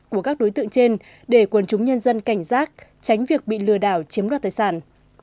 của các đối tượng trên để quần chúng nhân dân cảnh giác tránh việc bị lừa đảo chiếm đoạt tài sản